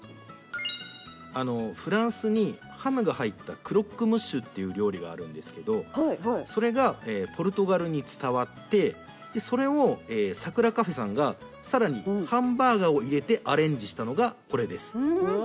フランスにハムが入ったクロックムッシュっていう料理があるんですけどそれがポルトガルに伝わってそれをサクラカフェさんが更にハンバーグを入れてアレンジしたのがこれです。